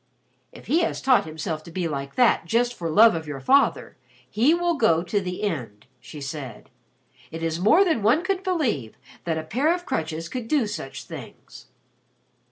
"If he has taught himself to be like that just for love of your father, he will go to the end," she said. "It is more than one could believe, that a pair of crutches could do such things."